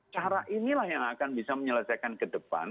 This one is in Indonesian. cara inilah yang akan bisa menyelesaikan ke depan